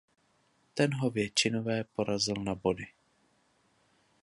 Ten ho většinové porazil na body.